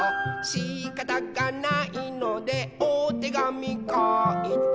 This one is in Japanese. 「しかたがないのでおてがみかいた」